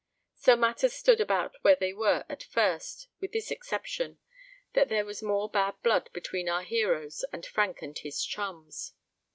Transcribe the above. So matters stood about where they were at first, with this exception, that there was more bad blood between our heroes and Frank and his chums.